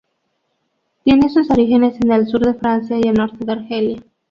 Tiene sus orígenes en el sur de Francia y el norte de Argelia.